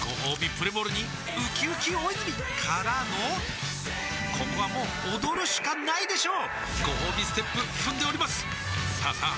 プレモルにうきうき大泉からのここはもう踊るしかないでしょうごほうびステップ踏んでおりますさあさあ